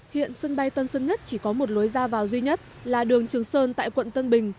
hiện sân bay tân sơn nhất chỉ có một lối ra vào duy nhất là đường trường sơn tại quận tân bình